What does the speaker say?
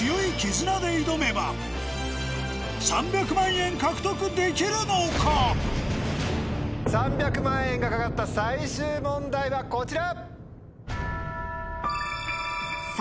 親子で３００万円が懸かった最終問題はこちら！